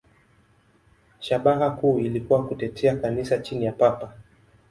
Shabaha kuu ilikuwa kutetea Kanisa chini ya Papa.